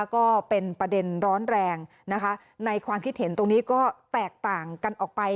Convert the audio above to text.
ก็เป็นประเด็นร้อนแรงนะคะในความคิดเห็นตรงนี้ก็แตกต่างกันออกไป